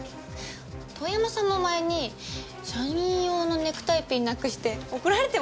遠山さんも前に社員用のネクタイピンなくして怒られてましたよね？